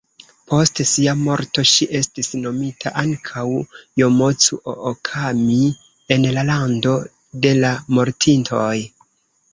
Post sia morto, ŝi estis nomita ankaŭ Jomocu-ookami en la lando de la mortintoj.